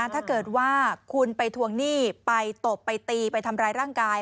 ถ้าเกิดว่าคุณไปทวงหนี้ไปตบไปตีไปทำร้ายร่างกาย